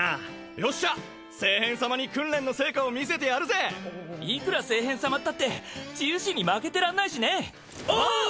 よっしゃ聖変様に訓練の成果を見せてやるぜいくら聖変様ったって治癒士に負けてらんないしねお！